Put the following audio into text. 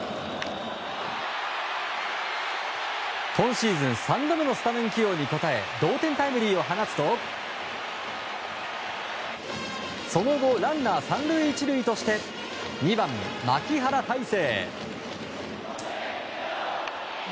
今シーズン３度目のスタメン起用に応え同点タイムリーを放つとその後、ランナー３塁１塁として２番、牧原大成。